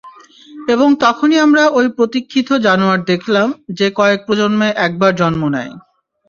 এবং তখনই আমরা ওই প্রতীক্ষিত জানোয়ার দেখলাম, যে কয়েক প্রজন্মে একবার জন্ম নেয়।